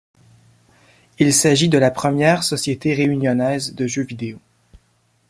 Il s'agit de la première société réunionnaise de jeux vidéo.